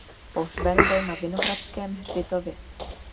Pohřben byl na Vinohradském hřbitově.